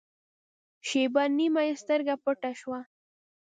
شېبه نیمه یې سترګه پټه شوه.